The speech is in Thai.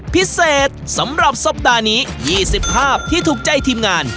ผิดเสร็จสำหรับสัปดาห์นี้๒๕ที่ถูกใจทีมงาน